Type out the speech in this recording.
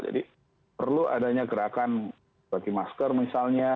perlu adanya gerakan bagi masker misalnya